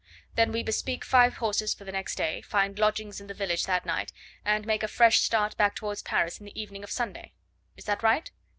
Then we bespeak five horses for the next day, find lodgings in the village that night, and make a fresh start back towards Paris in the evening of Sunday. Is that right?"